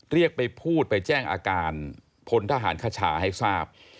เรียกไปพูดไปแจ้งอาการพลทหารคชาให้ทราบ